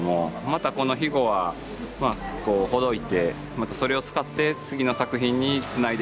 またこのヒゴはほどいてそれを使って次の作品につないでいくっていう。